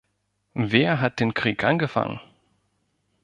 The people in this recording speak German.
Wer hat den Krieg angefangen?